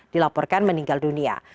dilaporkan meninggal dunia